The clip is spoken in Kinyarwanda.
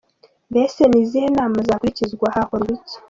Mbese ni izihe nama zakurikizwa? Hakorwa iki?.